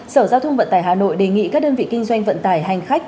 sở giao thông vận tải hà nội đề nghị các đơn vị kinh doanh vận tải hành khách